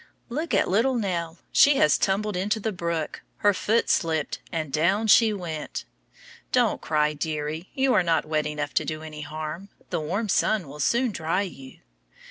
Look at little Nell! She has tumbled into the brook. Her foot slipped, and down she went. Don't cry, deary, you are not wet enough to do any harm. The warm sun will soon dry you.